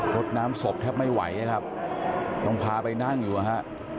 รถน้ำศพแทบไม่ไหวนะครับต้องพาไปนั่งอยู่นะฮะ